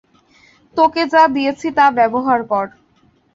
তোকে যা দিয়েছি তা ব্যবহার কর।